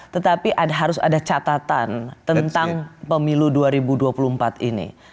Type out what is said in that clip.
tetapi harus ada catatan tentang pemilu dua ribu dua puluh empat ini